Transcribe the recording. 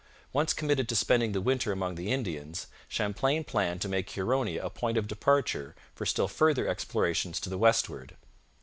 Once committed to spending the winter among the Indians, Champlain planned to make Huronia a point of departure for still further explorations to the westward.